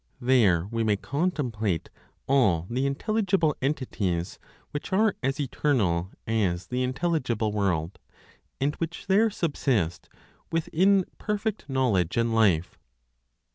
There we may contemplate all the intelligible entities which are as eternal as the intelligible world, and which there subsist within perfect knowledge and life.